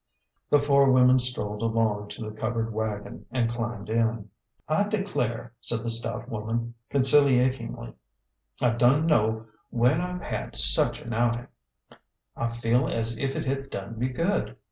The four women strolled along to the covered wagon and climbed in. " I declare," said the stout woman, con ciliatingly, " I dun know when I've had such an outin'. I feel as if it had done me good.